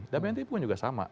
damayanti pun juga sama